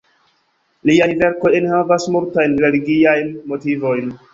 Liaj verkoj enhavas multajn religiajn motivojn.